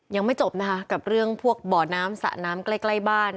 ยังไม่จบนะคะกับเรื่องพวกบ่อน้ำสระน้ำใกล้ใกล้บ้าน